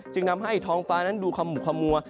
จึงทำให้ท้องฟ้านั้นดูขมุกขมัว